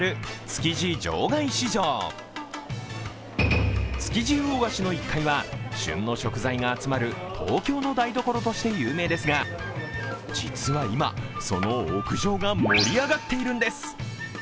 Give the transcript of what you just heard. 築地魚河岸の１階は、旬の食材が集まる東京の台所として有名ですが実は今、その屋上が盛り上がっているんです。